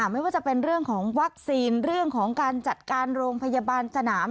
ไม่ว่าจะเป็นเรื่องของวัคซีนเรื่องของการจัดการโรงพยาบาลสนาม